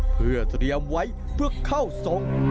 เพื่อเตรียมไว้เพื่อเข้าทรง